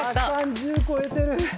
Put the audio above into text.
１０超えてる。